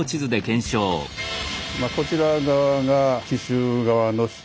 まあこちら側が紀州側の主張。